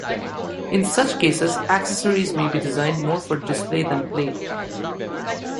In such cases accessories may be designed more for display than play.